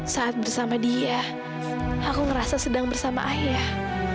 saat bersama dia aku ngerasa sedang bersama ayah